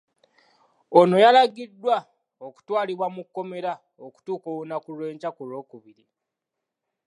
Ono yalagiddwa okutwalibwa mu kkomera okutuuka olunaku lw'enkya ku Lwokubiri.